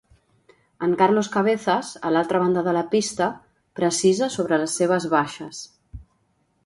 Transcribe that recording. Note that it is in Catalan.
En Carlos Cabezas, a l'altra banda de la pista, precisa sobre les seves baixes.